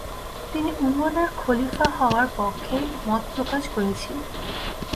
তিনি উমরের খলিফা হওয়ার পক্ষে মত প্রকাশ করেছিলেন।